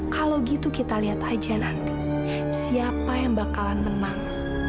kalau gitu kita lihat aja nanti siapa yang bakalan menang